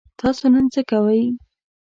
تاسو نن څه کوئ؟